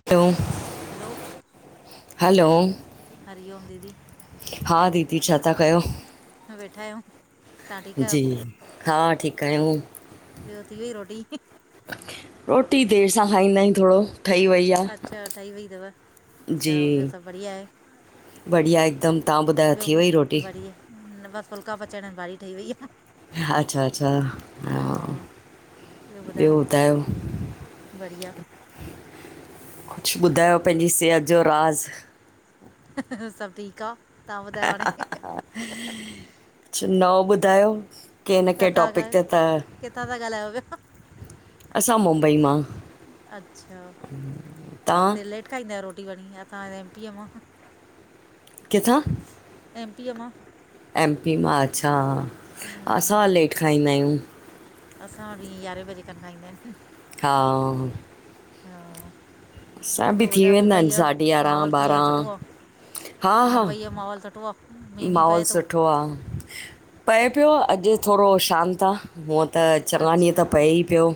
[unintelligible] हलो hello हरिओम दीदी हा दीदी छा था कयो हा वेठा आहियूं। तां ठीक आयो? जी हा ठीक आहियूं ॿियो थी वेई रोटी रोटी देर सां खाईंदा आहियूं थोरो। ठही वई आहे अच्छा ठही वई थव। जी त ॿियो सभ बढ़िया आए बढ़िया हिकदम। तां ॿुधायो थी वेई बसि रोटी? बढ़िया न बस फुलका पचाइण आहिन। भाॼी ठही वई आ। अच्छा अच्छा हा ॿियो ॿुधायो बढ़िया कुछ ॿुधायो पंहिंजी सेहत जो राज़ सभ ठीक आ कुछ नओं ॿुधायो कंहिं न कंहिं किथां खां टॉपिक ते त, किथां था ॻाल्हायो पिया असां मुंबई मां अच्छा तव्हां त लेट खाईंदा आयो रोटी वरी तवां। एम पीअ मां किथां एम पीअ मां एमपी मां अच्छा, हा असां लेट खाईंदा आहियूं असां भी यारहें बजे खन खाईंदा आहिन हा हा असां बि ॿियो थी ॿुधायो वेंदा मुंबईअ आहिनि जो साढी यारहं माहौल कीअं आ, ॿारहं सुठो आ? मुंबईअ जो माहौल सुठो आ? माहोल सुठो आ। पए पियो, अॼु थोरो शांत आ। हुअं त चङा ॾींहं त अच्छा पए ई पियो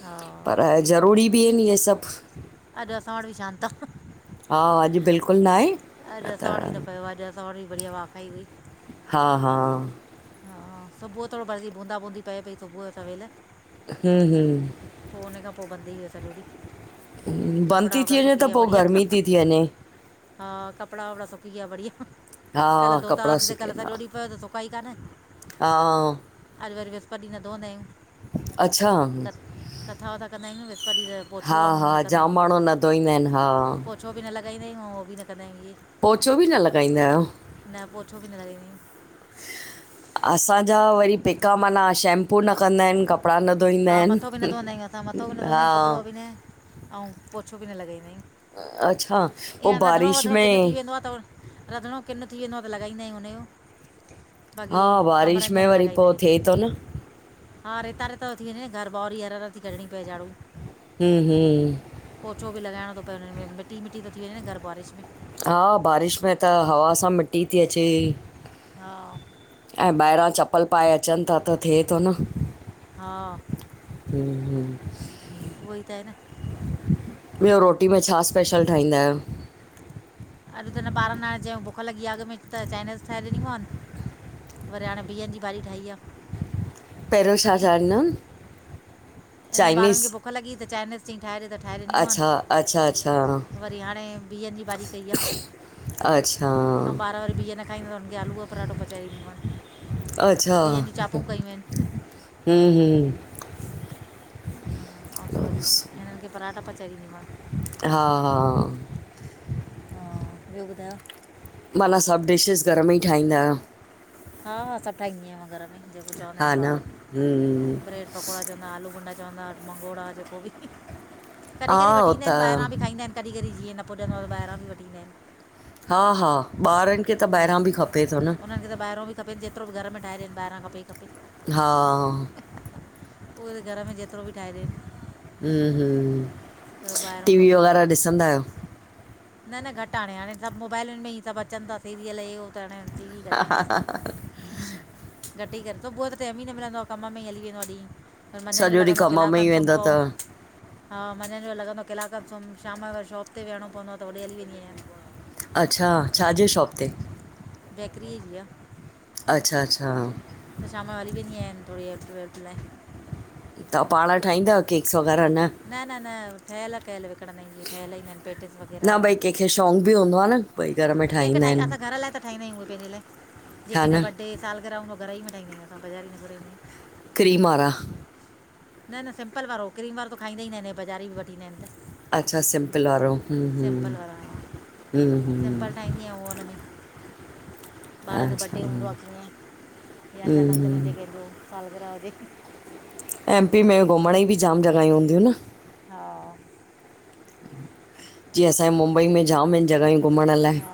हा पर ज़रूरी बि आहिन इहे सभ अॼु असां वट भी शांत आ हा अॼु बिल्कुल नाहे अॼ असां वट बि न पयो आ। अॼु असां वट बि बढ़िया वाखाई हुई हा हा हा सुबुह थोरो बरसी, बूंदा बूंदी पए पई सुबुह सवेल पो उने खां पोए बंद थी वियो सॼो ॾीह बंद थी थी वञे त पो गर्मी थी थी वञे हा कपड़ा वपड़ा सुकी विया बढिया। हा कल धोता कपिड़ा हुआसीं त कल सुकंदा सॼो ॾींहु पियो त सुका ई कान हा अॼ वरी विस्पत ॾीह न धुअंदा आहियूं अच्छा क कथा वथां कंदा आहियूं न विस्पत ॾींह त पोछो हा ऐं हा न कंदा जाम आहियूं माण्हू न धोईंदा आहिनि हा इहो पो छो बि न लॻाईंदा आहियूं उहो बि न कंदा आहियूं इहे पोछो बि न लॻाईंदा आहियो? न पोछो बि न लॻांदी आहियां असांजा वरी पेका माना शैंप -पू न कंदा हिनि, कपिड़ा न धोईंदा हा मथो बि न हिनि धोईंदा हा अंउं पोछो बि न लॻाईंदा आहियूं, अच्छा पोइ ईअं रधिणो बारिश वधिणो किन्नु थी में वेंदो आ त रंधिणो किनु थी वेंदो आ त लॻाईंदा आहियूं हुनजो, बाक़ी हा बारिश कमरनि जा में न वरी लॻाईंदा पोइ आहियूं जे थिए थो न हा रेता- रेता तो थी वंञें न घर ॿाहरी हर -हर ती कढिणी पए झाड़ू हम्म -हम्म पोछो बि लॻाइणो तो पए हुननि में मिटी मिटी तो थी वंञें न घर बारिश में हा बारिश में त हवा सां मिट्टी ती अचे। हा। ऐं ॿाहिरां चप्पल पाए अचनि था त थिए तो न हम्म- हम्म उहोई त आहे न ॿियो रोटी में छा स्पेशल ठाहींदा आहियो? अॼु त न ॿारनि ना चयंउं बुख लॻी आ अॻ में त चाइनीज़ ठाहे ॾिनी मानि वरी हाणे बिहनि जी भाॼी ठाही आ पहिरियों छा चाढ़ंदमि इन्हनि ॿारनि खे भुख लॻी ही त चाइनीज़ चईं ठाहे ॾे, त ठाहे ॾिनी अच्छा मानि अच्छा अच्छा वरी हाणे बिहनि जी भाॼी कई आ। अच्छा अंउं ॿार वारी बिह न खाईंदा, त हुनखे आलू जो पराठो पचाए ॾीदी मानि अच्छा बिहनि जी चापूं कयूं आहिनि। हम्म -हम्म हुं अंउं त वरी हिननि खे पराठा पचाए -ॾीदीमांन। हा -हा हा, ॿियो ॿुधायो? माना सभु डिशेस घर में ई ठाहींदा आहियो? हा -हा सभु ठाहींदि आहियां मां घर में, जेको चवंदा हा हिनि न ॿार हम्म ब्रेड -पकोड़ा चवंदा, आलू भुंॾा चवंदा, मंगोड़ा जेको बि कॾी हा -कॾी वठी हो ईंदा त हिनि ॿाहिरां बि खाईंदा हिनि, कॾहिं जीअं न पुॼंदो आ त ॿाहिरां बि वठींदा आहिनि। हा- हा ॿारनि खे त ॿाहिरां बि खपे थो न ॿाहिरो बि खपेन, जेतिरो बि घर मे ठाहे ॾेन ॿाहिरो खपे ई खपे हा उहो त घर में जेत हम्म -हम्म पर ॿाहिरां टीवी खपे वग़ैरह ॾिसंदा आहियो? न -न घटि हाणे, हाणे सभु मोबाइलुनि में ई सभु अचनि ता सीरियल हे हो त हाणे टी वी घटि ई ॾिसंदा आहियू। घटि ही कर सुबुअ जो त टाइम ई न मिलंदो आ, कम में ई हली वेंदो आ ॾिह। पर सॼो मंझंदि जो ॾींहुं लॻंदो आ कम किलाक में ई खनि सुम् वेंदो पउ। त हा मंझंदि जो लॻंदो किलाक खनि सुम शाम जो वरी शॉप ते वेंहणो पवंदो आ। त होॾे हली वेंदी आहियां। अच्छा, छाजे शॉप ते? री जी आ। अच्छा -अच्छा त शाम जो हली वेंदी आहियांन थोड़ी हेल्प वेल्प लाए। ता पांण ठाहींदा आहियो केकस वग़ैरह न न-न-न ठहयल कयल विकणंदा आहिन ईए, ठहयल ईंदा आहिन पेटीस वग़ैरह अऊ इहें! शौक़ बि हूंदो आ न! ॿई घर में केक ठाहींदा ठाहे असां आहिनि घर लाय त ठाहींदा आहयूं उहे पहिंजे लाए जिअ हा केंज़ा न बडे साल ग़िरह हुंदू आ घर ई मे ठाईदा आयूं असां बज़ारी न घुराईंदायूं। क्रीम वारा न-न सिम्पल वारो, क्रीम वारो त खाईंदा ई न आहे न हे बज़ारी बि वठी ईंदा आहें न त। अच्छा सिम्पल वारो हूम् हू सिंपल हूम् हू हिअ ओवन में ॿारन जो अच्छा बडे हूंदो हम्म आ कीअं या जन्मदिन हुजे हम्म कहिंजो सालग़िरहा हुजे। एम पी में घुमणई असां बि ज़ाम जॻहियूं हूंदयूं न। हा जिअं असां ऐ मुंबई में ज़ाम आए न जॻहियूं घुम्मण लाय, हा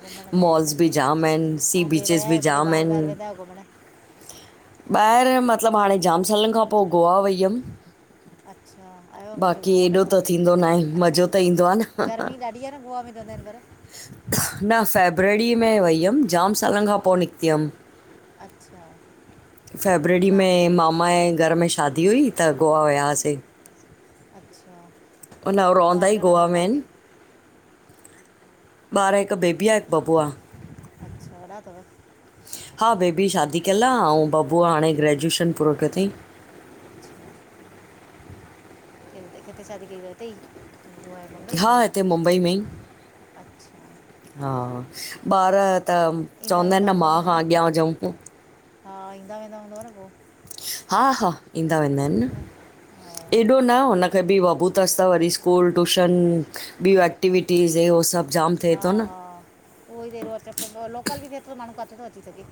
घुमण लाइ आहिनि मॉल्स बि ज़ाम आऐ न, सी बीचिस बि ज़ाम आए न। घुम्मण! ॿाहेर मतलब मां हाणे जाम सालन खां पो गोवा वई यम। अच्छा। आयो आहे मज़ो बाक़ी गोवा में एॾो त थींदो ना आहे, ‌ मज़ो त ईंदो आ न। तां बिहर गोवा वेंदव न मे हिनमल? न फ़ेब्रड़ी में वई यम जाम सालन खां पो निकती यम। अच्छा। फ़ेब्रडी तव्हां में मामा ऐ घर में शादी हुई त गोवा वया आसे। अच्छा ऊंन हो रोवंदा ॿार ई घणा गोवा अथव मे तव्हांखे आऐंन। ॿार हिक बेबी आ, हिक ब़बो आ। अच्छा वॾा अथव हा बेबी शादी कयल आ अऊ बबुअ हाणे ग्रेजुएश़न पूरो कयो तई। इते किथे शादी कई तव हिते ई गोवा ऐं बम्बई में हा ही, हिते मुंबई में ई अच्छा। हा, ॿार त ईंदा चवंदा आए वेंदा न हूंदव मां खां अॻयां हुजऊं। हा, ईंदा वेंदा हूंदव न पो। हा-हा ईंदा वेंदा आऐं न हा न एॾो न हुन खे बि बबू तस त वरी स्कूल, ट्यूशन ॿियूं एक्टिविटीज़ हे हो सभ हा हा उहो ई त हेॾो अच्चड़ पवदो आ, लोकल बि थे तो माणूं काथे तो अची सगे।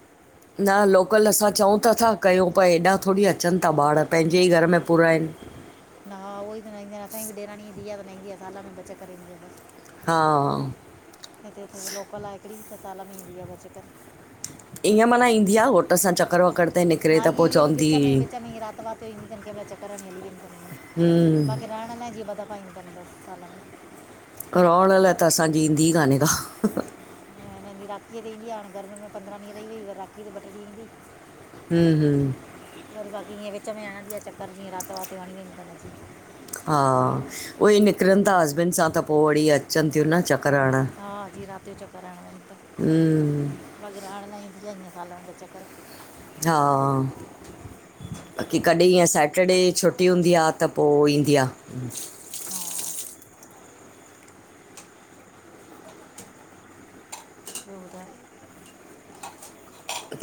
न लोकल असां चऊं त अथा कयो पर हेॾा थोड़ी अच़न था ॿाढ़ पहिंजे ई घर में पुरा ऐंन। न, हा उहो ई त न ईंदी आ न, असां ई बि ॾेराणी ई धीय अगर न ईंदी आ साल में ॿ चक्कर ईंदी आ बस। हा हिते त सिर्फ़ लोकल आ हिकड़ी त साल मे ईंदी आ ॿ चक्कर। ईअं मन ईंदी आह घोट सां चक्कर वकर ते निकिरे हा त पोइ ईअं ईऐ बि चवंदी विच में, विच में ईय रात वात यो ईंदी तन केमल चक्कर हणी वेदी तन ईअं। हम्म बाक़ी रहण लाय जिअ ॿ दफ़ा ईंदी तन बस साल में। रौहण लाय त असां जी ईंदी काने का। न इन ॾिह राखीअ ते ईंदी हाणे, गर्मीन मेंं पंद्रा ॾीहं रई वई वरी राखी ते ॿ ट्रे ॾींह ईंदी। हूम्-हूम्! वरी बाक़ी ईअं विच में हणंदी आए चक्कर जिअं रात वात यो हणी वेंदी तन अची। हा, उहे ई निकरन था हस्बैंड सां त पो वडी अच़न थियूं न चक हा, जिअं रात यो चक्कर हण वन त। हम्म, बाक़ी रहण लाइ ईंदी आहे, ईय साल मे ॿ चक्कर। हा कि कॾहिं ईअं सैटरडे छुटी हूंदी आ त पो ईंदी आ। हा ॿियो ॿधायो?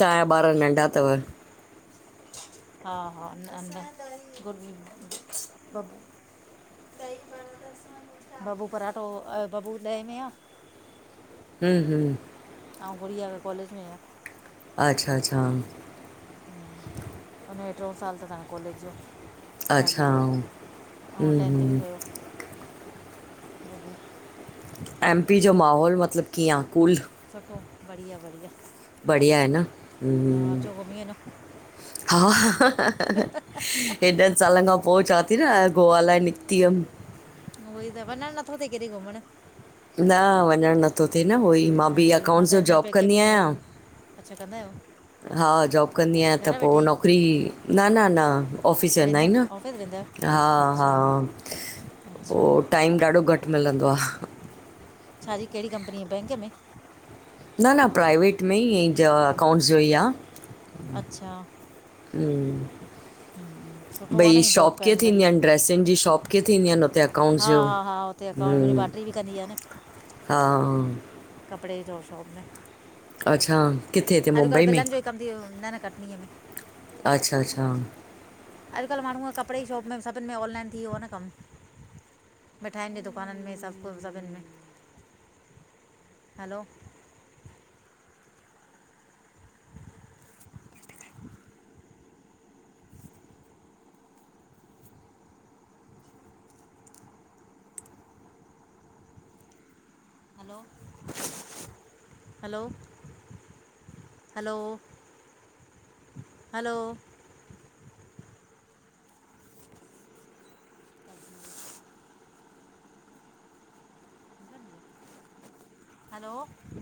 तांया ॿार नंढा तव्? हा हा न न गर बबू [unintelligible] बबू पराठो, अ बबू ॾहे मे आ। हम हम अंउ गुड़िया त कॉलेज में आ। अच्छा अच्छा! हुनजो ट्रिंयों साल तस हांणे कॉलेज जो। थर्ड अच्छा इयर, अंउ हम्म टेंथ में हम्म। वयो बब्बू। एमपी जो माहौल मतलब कीअं आ, कूल? सुठो, बढ़िया- बढ़िया। बढ़िया आहे न, हा हम्म। अचो घुमी वञो एॾन सालन खां पो चआं थी न गोवा लाय निकिती हुयम। उहोई त वञंण नथो थे केॾे घुमण। न वञंण नथो थिए न उहो ई, मां बि उहोई मां त अकाउंट्स जो हिन दफ़े जॉब पेके कंदी बि न आहियां। वियमि अच्छा कंदा आहयो। हा जॉब कंदी आहियां त पो नौकरी, न न न ऑफिस वेन्दा वेंदा आउं ऑफिस वेंदा न। हा आहियो हा अच्छा अच्छा पो टाइम ॾाढो घट मिलंदो आह। छा जी कहिड़ी कंपनीअ बैंक में? न- न, प्राइवेट में ईअ ई ज अकाउंट्स जो ई आ। अच्छा हम्म हम्म, सुठो आहे न भई हीअं जॉब शॉप कीअं करणु थींदी बढ़िया आहिन, ड्रेसिन जी शॉप कीअं थींदी आहिन हुते अकाउंट्स जो त अकाउंट मुंजी भाएट्री बि कंदी आ न। हा कपड़े जो शॉप में। अच्छा किथे हिते अॼुकल्ह मुंबई में बिलन जो ई कम थी वियो न -न कटनीअ में। अच्छा अच्छा अॼुकल्ह माण्हूअ कपड़े जी शॉप में सभिन में ऑनलाइन थी वियो आ न कम। मिठाइन जी दुकानन में सभु कुछ, सभिन में, hello hello, hello hello, hello हलो